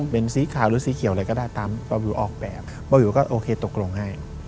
เป็นสีขาวหรือสีเขียวอะไรก็ได้ตามเบาวิวออกแบบเบาวิวก็โอเคตกลงให้